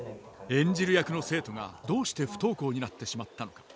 演じる役の生徒がどうして不登校になってしまったのか。